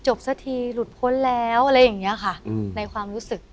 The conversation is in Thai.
สักทีหลุดพ้นแล้วอะไรอย่างนี้ค่ะในความรู้สึก